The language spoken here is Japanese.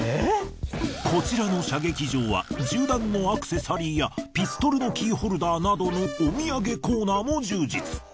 こちらの射撃場は銃弾のアクセサリーやピストルのキーホルダーなどのお土産コーナーも充実。